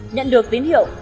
nhận được tín hiệu